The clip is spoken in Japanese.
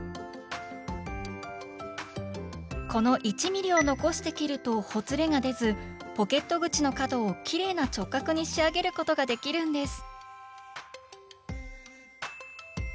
この１ｍｍを残して切るとほつれが出ずポケット口の角をきれいな直角に仕上げることができるんです！